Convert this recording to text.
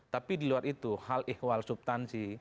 tapi di luar itu hal ihwal subtansi